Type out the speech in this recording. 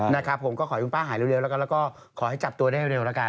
นะครับผมก็ขอให้คุณป้าหายเร็วแล้วก็ขอให้จับตัวได้เร็วแล้วกัน